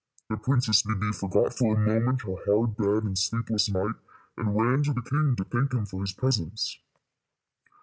The Princess Bébè forgot for a moment her hard bed and sleepless night, and ran to the king to thank him for his presents.